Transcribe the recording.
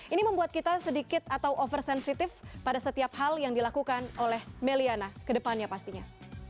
ini membuat kita sedikit atau over sensitif pada setiap hal yang dilakukan oleh meliana kedepannya pastinya